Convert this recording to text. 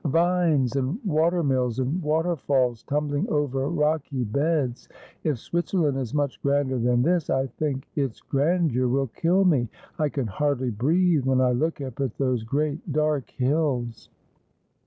Vines, and water mills, and waterfalls tumbhng over rocky beds. If Switzerland is much grander than this, I think its grandeur will kill me. I can hardly breathe when I look tip at those great dark hilli.'